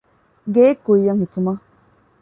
ގެއެއް ކުއްޔަށް ހިފުމަށް